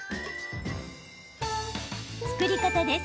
作り方です。